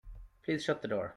Please shut the door.